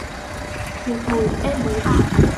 một hồi em mới bảo